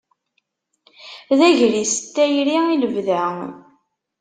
D agris n tayri i lebda.